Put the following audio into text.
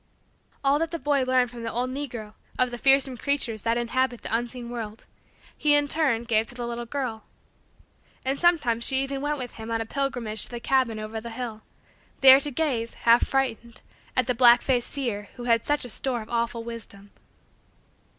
All that the boy learned from the old negro, of the fearsome creatures that inhabit the unseen world, he, in turn, gave to the little girl. And sometimes she even went with him on a pilgrimage to the cabin over the hill; there to gaze, half frightened, at the black faced seer who had such store of awful wisdom.